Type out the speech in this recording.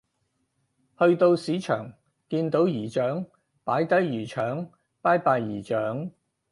去到市場見到姨丈擺低魚腸拜拜姨丈